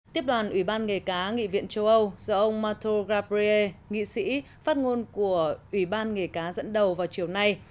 tiếp đoàn ủy ban nghề cá nghị viện châu âu do ông mato rapree nghị sĩ phát ngôn của ủy ban nghề cá dẫn đầu vào chiều nay